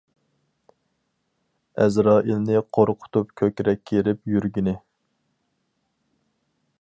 ئەزرائىلنى قورقۇتۇپ كۆكرەك كىرىپ يۈرگىنى؟ !